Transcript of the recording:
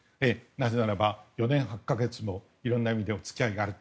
なぜなら、４年８か月もいろんな意味でお付き合いがある。